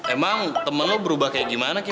emang temen lo berubah kayak gimana kim